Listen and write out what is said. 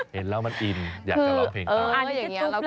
เห็นแล้วมันอินอยากจะร้องเพลงต่อ